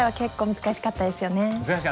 難しかったです。